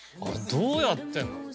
どうやってんの？